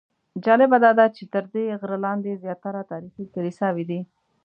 جالبه داده چې تر دې غره لاندې زیاتره تاریخي کلیساوې دي.